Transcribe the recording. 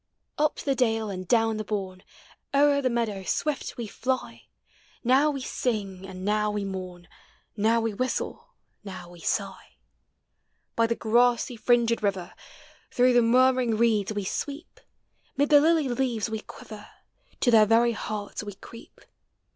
Up the dale and down the bourne, O'er the meadow swift we fly; Now we sing, and now we mourn. Now we whistle, now we sigh. By the grassy fringed river, Through the murmuring reeda we sweep; Mid the lily lea ves we quiver. To their very hearts we creep.